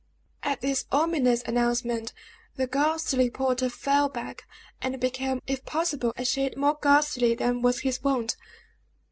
At this ominous announcement, the ghastly porter fell back, and became, if possible, a shade more ghastly than was his wont.